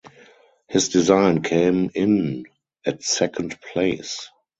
His design came in at second place.